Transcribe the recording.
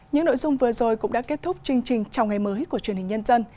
những nội dung vừa rồi cũng đã kết thúc chương trình chào ngày mới của truyền hình nhân dân